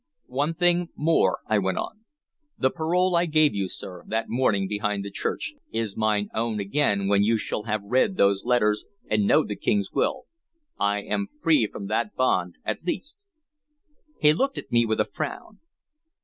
"One thing more," I went on: "the parole I gave you, sir, that morning behind the church, is mine own again when you shall have read those letters and know the King's will. I am free from that bond, at least." He looked at me with a frown.